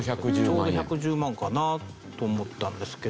ちょうど１１０万かなと思ったんですけど。